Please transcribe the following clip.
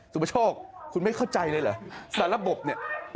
ประโชคคุณไม่เข้าใจเลยเหรอแต่ระบบเนี่ย